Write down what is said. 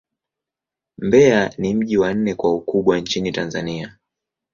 Mbeya ni mji wa nne kwa ukubwa nchini Tanzania.